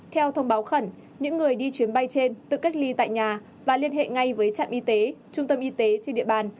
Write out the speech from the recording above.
theo thông báo khẩn những người đi chuyến bay trên tự cách ly tại nhà và liên hệ ngay với trạm y tế trung tâm y tế trên địa bàn